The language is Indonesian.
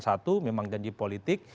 satu memang janji politik